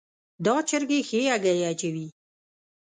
دا چرګي ښي هګۍ اچوي